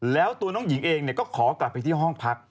แล้วตัวน้องหญิงเองก็ขอกลับไปที่ห้องพัก